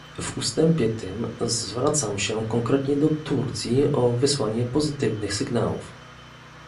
W ustępie tym zwracam się konkretnie do Turcji o wysłanie pozytywnych sygnałów